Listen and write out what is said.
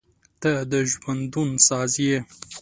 • ته د ژوندون ساز یې.